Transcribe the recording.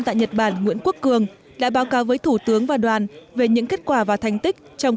tại nhật bản nguyễn quốc cường đã báo cáo với thủ tướng và đoàn về những kết quả và thành tích trong